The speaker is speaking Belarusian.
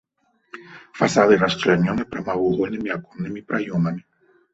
Фасады расчлянёны прамавугольнымі аконнымі праёмамі.